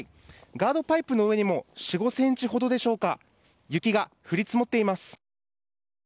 ガードパイプの上にも４５ｃｍほどでしょうか雪が降り積もっています。